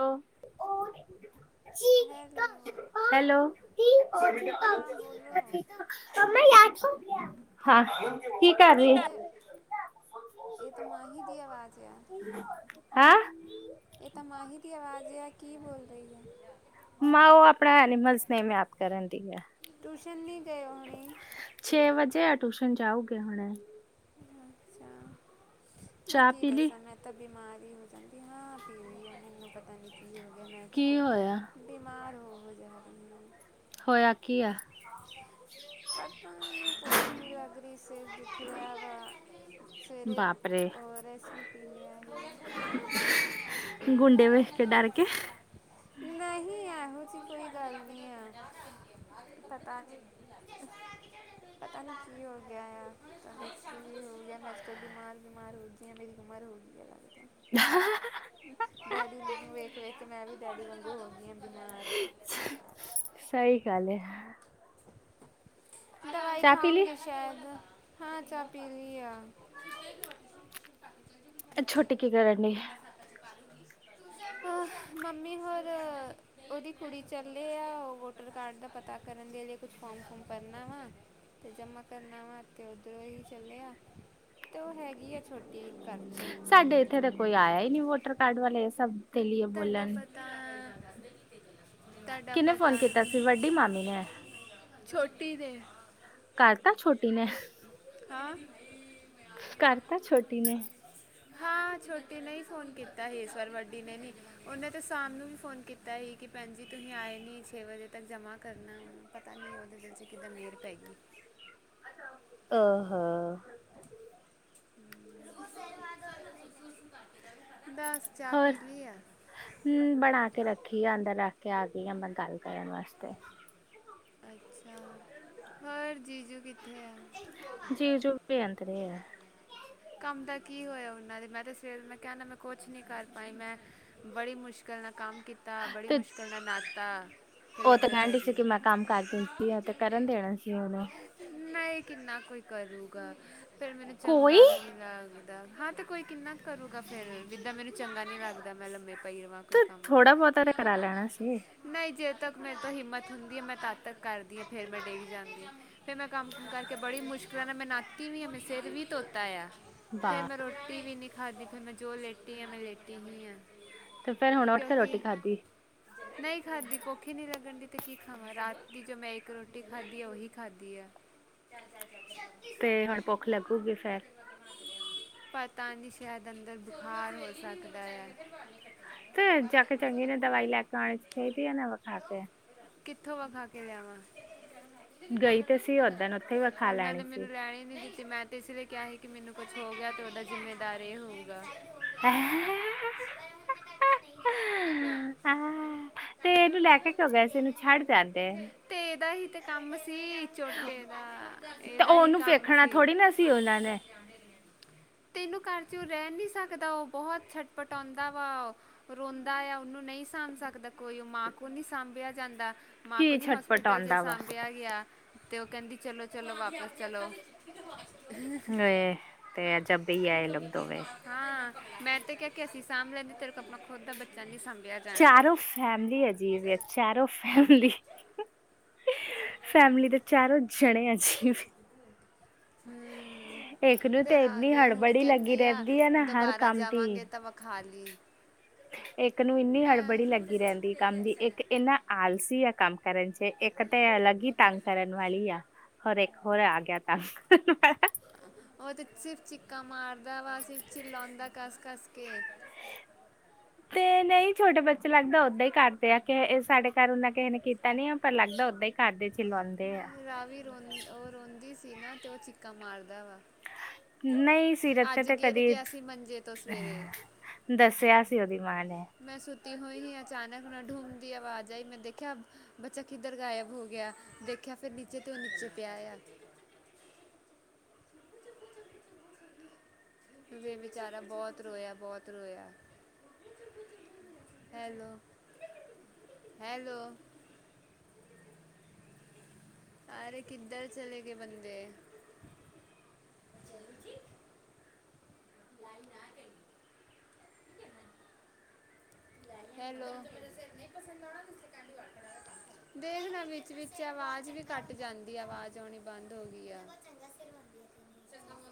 ਹ hello. Hello. ਹਾਂ ਬੋਲੋ ਉਹ ਮੰਮੀ ਯਾਦ ਹੋ ਗਿਆ। ਕੀ ਕਰ ਇਹ ਤਾਂ ਮਾਹੀ ਦੀ ਆਵਾਜ਼ ਆ ਹੈਂ? ਇਹ ਤਾਂ ਮਾਹੀ ਦੀ ਆਵਾਜ਼ ਹੈ ਕੀ ਬੋਲ ਰਹੀ ਹੈ? ਮਾਂ ਉਹ ਆਪਣਾ ਐਨੀਮਲਸ ਨੇਮ ਯਾਦ ਕਰਨ ਦੀ ਆ। ਟਿਊਸ਼ਨ ਨਹੀਂ ਗਏ ਹੋਣੀ। ਛੇ ਵਜੇ ਆ ਟਿਊਸ਼ਨ ਜਾਊਗੇ ਹੁਣੇ। ਅੱਛਾ, ਮੈਂ ਚਾਹ ਕੀ ਪੀ ਲਈ ਦੱਸਾਂ ਮੈਂ। ਤਾਂ ਬਿਮਾਰ ਹੀ ਹੋ ਜਾਂਦੀ ਹਾਂ ਪੀਲੀ ਆ ਮੈਨੂੰ ਪਤਾ ਨਹੀਂ ਕੀ ਹੋ ਗਿਆ ਮੈਂ ਕੀ ਹੋਇਆ ਅੱਜਕੱਲ੍ਹ। ਬਿਮਾਰ ਹੋ ਹੋ ਜਾ ਹਾਂ ਹੋਇਆ ਕੀ ਹ ਪਤ ਨ ਪੋੱਖਰੀ ਲਗਰੀ ਸ ਬੁਖਰੀਿਆ ਵ ਸਰੇ ਬਾਪਰੇ ਔਰ ਅਸ ਵੀ ਪੀਂਦੇ ਆ ਗੁੰਡੇ ਵੇਖ ਕੇ ਡਰ ਕੇ ਨਹੀਂ ਇਹੋ ਜਿਹੀ ਕੋਈ ਗੱਲ ਨਹੀਂ ਹੈ ਪਤਾ ਨਹੀਂ। ਪਤਾ ਨੀ ਕੀ ਹੋ ਗਿਆ ਆ ਮੈਂ ਕੋਲ [inaudible] ਬਿਮਾਰ ਬਿਮਾਰ ਹੋ ਗਿਆ ਜੇ ਮੇਰੀ ਉਮਰ ਹੋ ਗਈ ਹੈ। ਹ ਡੈਡੀ ਨੂੰ ਵੇਖ ਵੇਖ ਕੇ ਮੈਂ ਵੀ ਡੈਡੀ ਵਾਂਗੀ ਹੋ ਗਈ ਹਾਂ ਬੀਮਾਰ। ਸਹੀ ਗੱਲ ਹੈ। ਦਵਾਈ ਚਾਹ ਪੀ ਲੀ ਖਾਓਂਗੇ, ਸ਼ਾਇਦ ਹਾਂ ਚਾਹ ਪੀ ਲੀ ਆ। ਛੋਟੀ ਕੀ ਕਰਨ ਡੀ ਏ? ਆਹ, ਮੰਮੀ ਹੋਰ। ਉਹਦੀ ਕੁੜੀ ਚਲੇ ਆ ਉਹ ਵੋਟਰ ਕਾਰਡ ਦਾ ਪਤਾ ਕਰਨ ਦੇ ਅਜ ਕੁਛ ਫੋਰਮ ਫੂਰਮ ਭਰਨਾ ਵਾ। ਤੇ ਜਮਾ ਕਰਨਾ ਵਾ ਇਥੇ ਉਧਰੋ ਹੀ ਚਲਿਆ ਤਾਂ ਉਹ ਹੈਗੀ ਆ ਛੋਟੀ ਘਰ 'ਚ ਸਾਡੇ ਇਥੇ ਤਾ ਕੋਈ ਆਇਆ ਹੀ ਨਹੀ ਵੋਟਰ ਕਾਰਡ ਵਾਲੇ ਇਹ ਸਭ ਦੇ ਲੀਏ ਤੁਹਾਡਾ ਬੋਲਣ ਪਤਾ ਤੁਹਾਡਾ ਕਿਹਨੇ ਪਤਾ ਫੋਨ ਕੀਤਾ ਸੀ ਨਹੀ ਵੱਡੀ ਮਾਮੀ ਨੇ ਛੋਟੀ ਦੇ ਕਰਤਾ ਛੋਟੀ ਨੇ- ਹਾਂ- ਕਰਤਾ ਛੋਟੀ ਨੇ ਹਾਂ ਛੋਟੀ ਨੇ ਹੀ ਫੋਨ ਕੀਤਾ ਸੀ ਈਸ਼ਵਰ ਵਡੀ ਨੇ ਨੀ ਉਹਨੇ ਤਾਂ ਸ਼ਾਮ ਨੂੰ ਵੀ ਫੋਨ ਕੀਤਾ ਸੀ ਕਿ ਭੈਣ ਜੀ ਤੁਸੀ ਆਏ ਨਹੀ ਛੇ ਵਜੇ ਤਕ ਜਮਾ ਕਰਨਾ ਵ ਪਤਾ ਨਹੀ ਉਹਦੇ ਦਿਲ 'ਚ ਕਿਦਾ ਮਿਹਰ ਪੈ ਗਈ ਆਹ ਹੋ- ਬਸ ਚਾਹ ਹੋਰ ਪੀ ਲਈ ਆ ਹਮ ਬਣਾ ਕੇ ਰਖੀ ਆ ਅੰਦਰ ਰਖ ਕੇ ਆ ਗਈ ਆ ਮੈ ਗਲ ਕਰਨ ਵਾਸਤੇ ਅੱਛਾ ਹੋਰ ਜੀਜੂ ਕਿਥੇ ਆ ਜੀਜੂ ਵੀ ਅੰਦਰੇ ਹੈ। ਕੰਮ ਦਾ ਕੀ ਹੋਇਆ ਉਹਨਾ ਦੇ ਮੈ ਤੇ ਸਵੇਰ ਮੈ ਕਹਿਣਾ ਮੈ ਕੁਛ ਨੀ ਕਰ ਪਾਈ ਮੈ ਬੜੀ ਮੁਸ਼ਕਿਲ ਨਾਲ ਕੰਮ ਕੀਤਾ ਬੜੀ ਤੇ ਮੁਸ਼ਕਲ ਨਾਲ ਨਤਾ ਉਹ ਤੇ ਕਹਣ ਡ ਸੀ ਕਿ ਮੈ ਕਮ ਕਰ ਦਿਦੀ ਆ ਤੇ ਕਰਨ ਦੇਣਾ ਸੀ ਉਹਨੂੰ ਨਹੀ ਕਿਨਾ ਕੋਈ ਕਰੂਗਾ ਫੇਰ ਮੈਨੂੰ ਕੋਈ ਚਗਾ ਵੀ ਨ ਲਗਦਾ ਹਾਂ ਤੇ ਕੋਈ ਕਿਨਾ ਕਰੂਗਾ ਫੇਰ ਜਿਦਾਂ ਮੈਨੂੰ ਚੰਗਾ ਨੀ ਲਗਦਾ ਮੈ ਲਮੇ ਪ ਕੋਈ ਕਮ ਤੇ ਥੋੜਾ ਬਹੁਤਾ ਤਾਂ ਕਰਾ ਲੈਣਾ ਸੀ ਨਹੀ ਜੇ ਤਕ ਮੇਰੇ ਤਾਂ ਹਿਮਤ ਹੁਦੀ ਹੈ। ਮੈ ਤਦ ਤਕ ਕਰਦੀ ਆ ਫੇਰ ਮੈ ਡਿਗ ਜਾਦੀ ਹਾਂ ਫੇਰ ਮੈ ਕਮ ਕੁਮ ਕਰਕੇ ਬੜੀ ਮੁਸ਼ਕਿਲਾ ਨਾਲ ਮੈ ਤੀ ਵੀ ਮੇ ਸਿਰ ਵੀ ਧੋਤਾ ਆਇਆ ਫਿਰ ਮੈ ਵਾਹ ਰੋਟੀ ਵੀ ਨੀ ਖਾਧਦੀ ਫਿਰ ਮੈ ਜੋ ਲੇਟੀ ਆ ਮੈ ਲੇਟੀ ਹੀ ਆ ਤੇ ਫੇਰ ਹੁਣ ਉੱਠ ਕੇ ਰੋਟੀ ਕਿਉਕਿ ਖਾਧੀ ਨਹੀ ਖਾਧਦੀ ਭੁੱਖ ਨੀ ਲੱਗਣ ਦੀ ਤੇ ਕੀ ਖਾਵਾਗੇ ਰਾਤ ਦੀ ਜੋ ਮੈ ਇਕ ਰੋਟੀ ਖਾਧੀ ਆ ਉਹੀ ਖਾਧੀ ਆ ਤੇ ਹੁਣ ਭੁੱਖ ਲਗੂਗੀ ਫੇਰ ਪਾਤਾਨੀ ਸ਼ਹਿਦ ਅੰਦਰ ਬੁਖਾਰ ਹੋ ਸਕਦਾ ਹੈ। ਤੇ ਜਾ ਕੇ ਚੰਗੀ ਨੇ ਦਵਾਈ ਲੈ ਕੇ ਆਣੀ ਵਿਖਾ ਕੇ- - ਕਿਥੋ ਵਖਾ ਕੇ ਲਿਆਵਾਂ ਗਈ ਤੇ ਸੀ ਓਦਣ ਉੱਥੇ ਹੀ ਵਿਖਾ ਉਹਨਾਂ ਲੈਣੀ ਨੇ ਸੀ ਮੈਨੂੰ ਲੈਣੇ ਹੀ ਨੀ ਦਿਤੀ ਤੇ ਮੈਂ ਤੇ ਇਸ ਲਈ ਕਿਹਾ ਸੀ ਕਿ ਮੈਨੂੰ ਕੁਛ ਹੋ ਗਿਆ ਤੇ ਉਹਦਾ ਜਿਮੇਦਾਰ ਇਹ ਹੋਊਗਾ ਹੈ ਨਹੀ ਜਾਉ ਕਿਦਾ ਸਾਡੇ ਤੇ ਇਹਨੂੰ ਨਾਲ ਲੈ ਕੇ ਮਤਲਬ ਕਿਉਂ ਗਏ ਸੀ ਇਹਨੂੰ ਛੱਡ ਜਾਂਦੇ ਤੇ ਇਹਦਾ ਹੀ ਤੇ ਕਮ ਸੀ ਚੋਟੇ ਦਾ ਤੇ ਇਹਦਾ ਹੀ ਉਹਨੂੰ ਕਮ ਵੇਖਣਾ ਸੀ। ਥੋੜੀ ਨਾ ਸੀ ਉਹਨਾਂ ਨੇ [inaudible] ਤੈਨੂੰ ਘਰ ਚੋ ਰਹਿ ਨੀ ਸਕਦਾ ਉਹ ਬਹੁਤ ਛਟਪਟਾਉਂਦਾ ਵਾ ਰੋਂਦਾ ਆ ਉਹਨੂੰ ਨਹੀ ਸਾਭ ਸਕਦਾ ਕੋਈ ਮਾਂ ਕੋਲੋ ਨਹੀ ਸਾਭਿਆ ਜਾਦਾ ਮਾਂ ਕੀ ਕੋਲੋਂ ਨੀ ਛਟਪਟ ਹੋਸਪਿਟਲ 'ਚ ਆਉਂਦਾ ਵਾ ਸਾਭਿਆ ਗਿਆ ਤੇ ਉਹ ਕਹਿਦੀ ਚਲੋ- ਚਲੋ ਵਾਪਸ ਚਲੋ ਏ ਤੇ ਅਜਬ ਹੀ ਆਏ ਲੋਕ ਦੋਵੇਂ [unintelligible] ਹਾਂ ਮੈਂ ਤੇ ਕ ਕੇ ਅਸੀਂ ਸਾਂਭ ਲੈਂਦੇ ਤੇਰੇ ਕੋ ਆਪਣਾ ਖੁਦ ਦਾ ਬੱਚਾ ਨਹੀਂ ਸਾਂਭਿਆ ਜਾਣ ਡਿਆ ਫੈਮਿਲੀ ਅਜੀਬ ਚਰੋ ਫੈਮਲੀ ਫੈਮਿਲੀ ਦੇ ਚਾਰੋਂ ਜਣੇ ਆ ਜੀ ਹਮ ਇੱਕ ਨੂੰ ਫੇਿਰ ਤੇ ਆ ਇੰਨੀ ਗਏ ਹੁਣ ਹੜਬੜੀ ਲੱਗੀ ਕਹਿੰਦੀ ਆ ਰਹਿੰਦੀ ਹੈ ਨਾ ਹਰ ਦੁਬਾਰਾ ਕੰਮ ਦੀ ਜਾਵਾਂਗੇ ਤਾਂ ਵਿਖਾੀ ਇੱਕ ਨੂੰ ਇੰਨੀ ਹੜਬੜੀ ਲੱਗੀ ਰਹਿੰਦੀ ਕੰਮ ਦੀ ਇੱਕ ਇੰਨਾ ਆਲਸੀ ਆ ਕੰਮ ਕਰਨ ਚ ਇੱਕ ਤੇ ਅਲੱਗ ਹੀ ਤੰਗ ਕਰਨ ਵਾਲੀ ਆ ਹਰੇਕ ਹੋਰ ਆ ਗਿਆ ਤ ਉਹ ਤੇ ਸਿਰਫ ਚਿੱਕਾ ਮਾਰਦਾ ਵਾ ਸਿਰਫ ਚਿੱਲਾਉਂਦਾ ਕੱਸ ਕੱਸ ਕੇ [unintelligible] ਤੇ ਨਹੀਂ ਛੋਟੇ ਬੱਚੇ ਲੱਗਦਾ ਓਦਾਂ ਹੀ ਕਰਦੇ ਆ ਸਾਡੇ ਘਰ ਉਹਨਾ ਕਿਸੇ ਨੇ ਕੀਤਾ ਨੀ ਆ ਪਰ ਲੱਗਦਾ ਓਹਦਾ ਈ ਰਾਵੀ ਉਹ ਰੋਂਦੀ ਸੀ ਨਾ ਅਤੇ ਉਹ ਚੀਕਾਂ ਮਾਰਦਾ ਵਾ ਨਹੀਂ ਸੀ ਰਤੇ ਅੱਜ ਤੇ ਗਿਰ ਕਦੀ ਗਿਆ ਸੀ ਮੰਜੇ ਤੋਂ ਸਵੇਰੇ ਦੱਸਿਆ ਸੀ ਉਹਦੀ ਮਾਂ ਨੇ ਮੈਂ ਸੁਤੀ ਹੋਈ ਹ ਅਚਾਨਕ [unintelligible] ਆਵਾਜ਼ ਆਈ ਮੈਂ ਦੇਖਿਆ ਬੱਚਾ ਕਿੱਧਰ ਗਾਇਬ ਹੋ ਗਿਆ ਦੇਖਿਆ ਫਿਰ ਨੀਚੇ ਤੇ ਉਹ ਨੀਚੇ ਪਿਆ ਆ [unintelligible] ਵੀ ਵਿਚਾਰਾ ਬਹੁਤ ਰੋਇਆ ਬਹੁਤ ਰੋਇਆ ਹੈਲੋ- [unintelligible] ਹੈਲੋ ਅਰੇ ਕਿਧਰ ਚਲੇ ਗਏ ਬੰਦੇ ਹੈਲੋ [unintelligible] ਦੇਖ ਲ ਵਿਚ ਵਿਚ ਆਵਾਜ਼ ਵੀ ਘਟ ਜਾਦੀ ਆ ਆਵਾਜ਼ ਆਉਣੀ ਬੰਦ ਹੋ ਗਈ ਆ ਸਿਰ ਬੰਦੀ ਹੈ ਤੈਨੂੰ